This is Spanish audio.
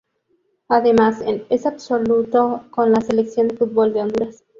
Además es absoluto con la Selección de fútbol de Honduras.